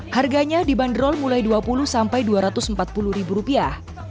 harganya dibanderol mulai dua puluh sampai dua ratus empat puluh ribu rupiah